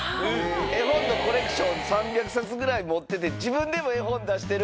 絵本のコレクション３００冊ぐらい持ってて、自分でも絵本出してる。